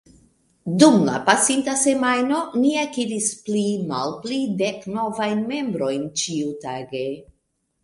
Dum la pasinta semajno ni akiris pli malpli dek novajn membrojn ĉiutage.